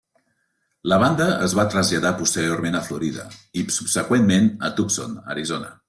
La banda es va traslladar posteriorment a Florida, i subseqüentment, a Tucson, Arizona.